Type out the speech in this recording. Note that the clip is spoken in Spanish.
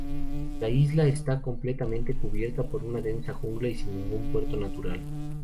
La isla está completamente cubierta por una densa jungla y sin ningún puerto natural.